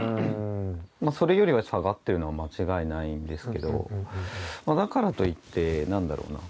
それよりは下がってるのは間違いないんですけどだからといってなんだろうな。